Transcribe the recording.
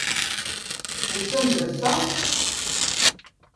Usan-d ass-a?